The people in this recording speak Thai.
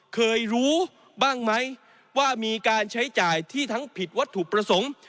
เคยรู้บ้างไหมว่ามีการใช้จ่ายที่ทั้งผิดวัตถุประสงค์